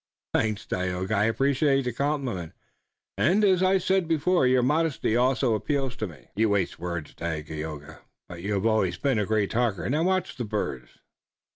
"Thanks, Tayoga, I appreciate the compliment, and, as I said before, your modesty also appeals to me." "You waste words, Dagaeoga, but you have always been a great talker. Now, watch the birds."